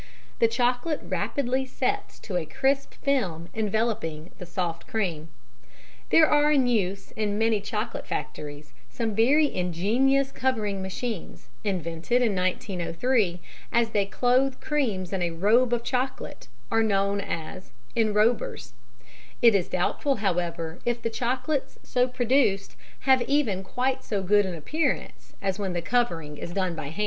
The chocolate rapidly sets to a crisp film enveloping the soft creme. There are in use in many chocolate factories some very ingenious covering machines, invented in 1903, which, as they clothe cremes in a robe of chocolate, are known as "enrobers"; it is doubtful, however, if the chocolates so produced have even quite so good an appearance as when the covering is done by hand.